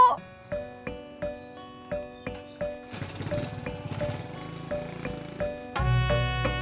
cincin tati satu